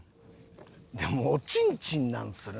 でもおちんちんなんですよね。